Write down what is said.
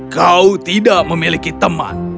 kau tidak memiliki teman